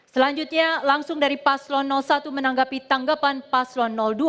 selanjutnya langsung dari paslon satu menanggapi tanggapan paslon dua